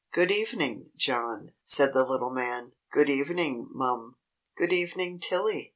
"Good evening, John!" said the little man. "Good evening, mum. Good evening, Tilly!